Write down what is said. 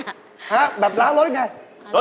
ฮะแบบร้านโลกยังไง